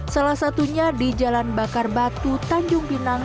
salah satunya di jalan bakar batu tanjung pinang